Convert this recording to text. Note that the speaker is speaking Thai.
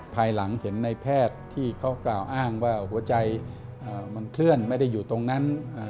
ภายหลังเห็นในแพทย์ที่เขากล่าวอ้างว่าหัวใจมันเคลื่อนไม่ได้อยู่ตรงนั้น